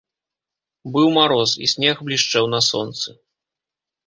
Быў мароз, і снег блішчэў на сонцы.